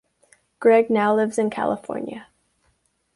Gregg now lives in California.